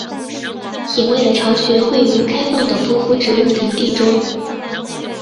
野外的巢穴位于开放的匍匐植物林地中。